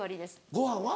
ご飯は？